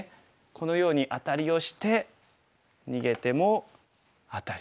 このようにアタリをして逃げてもアタリ。